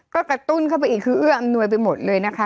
ก็กระตุ้นเข้าไปอีกคือเอื้ออำนวยไปหมดเลยนะคะ